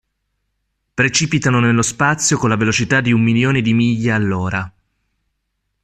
Precipitano nello spazio con la velocità di un milione di miglia all'ora.